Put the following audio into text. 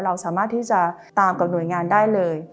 เราสามารถที่จะตามกับหน่วยงานได้เลย